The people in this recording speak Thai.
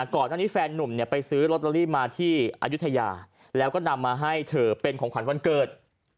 ก่อนหน้านี้แฟนนุ่มเนี่ยไปซื้อลอตเตอรี่มาที่อายุทยาแล้วก็นำมาให้เธอเป็นของขวัญวันเกิด